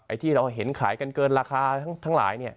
ไอ้ที่เราเห็นขายกันเกินราคาทั้งหลาย